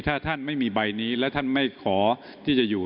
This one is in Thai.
ถ้าท่านไม่มีใบนี้และท่านไม่ขอที่จะอยู่